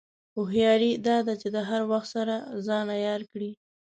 هوښیاري دا ده چې د هر وخت سره ځان عیار کړې.